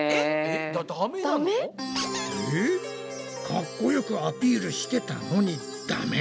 かっこよくアピールしてたのにダメ？